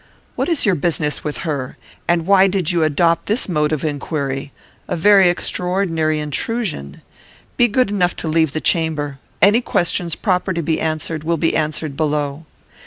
"What is your business with her? And why did you adopt this mode of inquiry? A very extraordinary intrusion! Be good enough to leave the chamber. Any questions proper to be answered will be answered below."